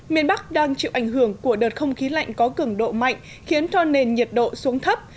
miền bắc đang chịu ảnh hưởng của đợt không khí lạnh có cường độ mạnh khiến cho nền nhiệt độ xuống thấp